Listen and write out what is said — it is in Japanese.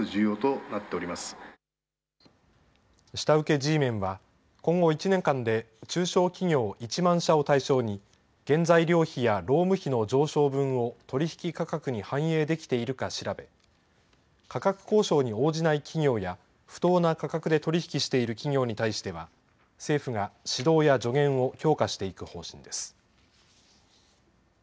下請けＧメンは今後１年間で中小企業１万社を対象に原材料費や労務費の上昇分を取引価格に反映できているか調べ価格交渉に応じない企業や不当な価格で取引している企業に対しては政府が指導や助言を強化していく方針です。